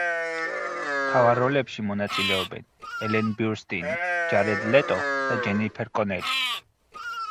მთავარ როლებში მონაწილეობენ ელენ ბიურსტინი, ჯარედ ლეტო და ჯენიფერ კონელი.